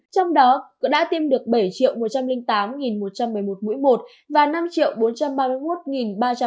trong đó đã tiêm được bảy một trăm linh tám một trăm một mươi một mũi một và năm bốn trăm ba mươi một ba trăm một mươi một mũi hai